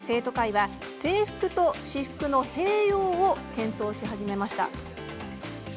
この結果を受け生徒会は制服と私服の併用を検討し始めました。